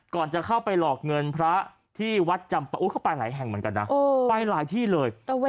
จะเข้าไปหลอกเงินพระที่วัดจำประอุ๊เข้าไปหลายแห่งเหมือนกันนะไปหลายที่เลย